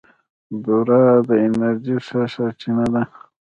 بوره د انرژۍ ښه سرچینه ده.